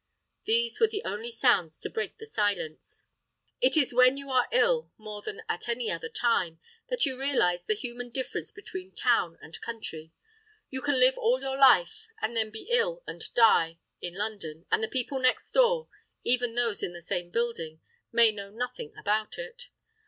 These were the only sounds to break the silence. It is when you are ill, more than at any other time, that you realise the human difference between town and country. You can live all your life, and then be ill and die, in London, and the people next door—even those in the same building—may know nothing about it.